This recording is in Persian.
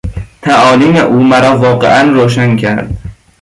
تعالیم او مرا واقعا روشن کرد.